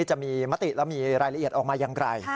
จะมีมติแล้วมีรายละเอียดออกมาอย่างไร